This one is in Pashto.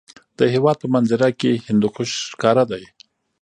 د هېواد په منظره کې هندوکش ښکاره دی.